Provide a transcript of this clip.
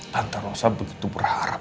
tante rosa begitu berharap